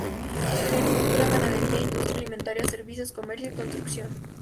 Agricultura, ganadería, industria alimentaria, servicios, comercio y construcción.